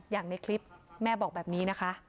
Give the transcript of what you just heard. อย่างในคลิปแม่บอกแบบนี้นะคะ